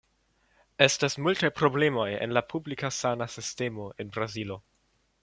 Estas multaj problemoj en la publika sana sistemo en Brazilo.